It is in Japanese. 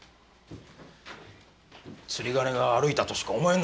釣り鐘が歩いたとしか思えんのじゃ。